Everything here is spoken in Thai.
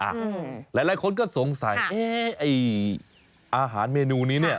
หลายคนก็สงสัยอาหารเมนูนี้เนี่ย